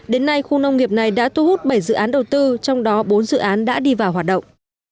đến nay khu nông nghiệp này đã thu hút bảy dự án đầu tư trong đó bốn dự án đã đi vào hoạt động